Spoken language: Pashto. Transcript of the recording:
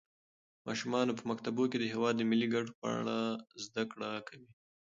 ماشومان په مکتبونو کې د هېواد د ملي ګټو په اړه زده کړه کوي.